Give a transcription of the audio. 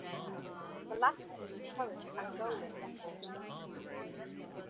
The latter is the current Angolan record.